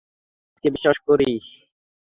আমি তোমাদেরকে বিশ্বাস করি।